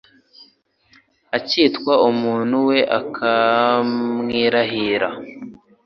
akitwa umuntu we akamwirahira